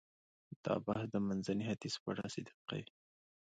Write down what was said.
دا بحث د منځني ختیځ په اړه صدق کوي.